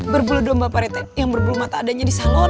berbulu domba parit yang berbulu mata adanya di salon